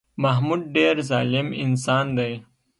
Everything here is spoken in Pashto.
محمود ډېر ظالم انسان دی